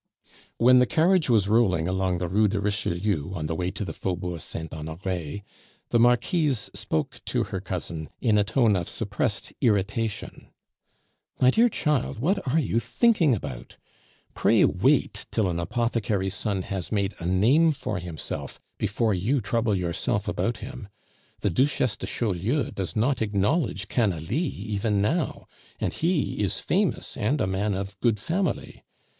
When the carriage was rolling along the Rue de Richelieu on the way to the Faubourg Saint Honore, the Marquise spoke to her cousin in a tone of suppressed irritation. "My dear child, what are you thinking about? Pray wait till an apothecary's son has made a name for himself before you trouble yourself about him. The Duchesse de Chaulieu does not acknowledge Canalis even now, and he is famous and a man of good family.